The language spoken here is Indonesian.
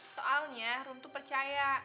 soalnya room tuh percaya